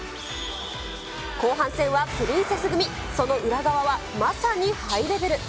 後半戦はプリンセス組、その裏側はまさにハイレベル。